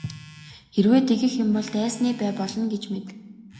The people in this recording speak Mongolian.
Хэрвээ тэгэх юм бол дайсны бай болно гэж мэд.